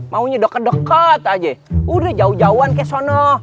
maunya deket deket aja udah jauh jauhan ke sana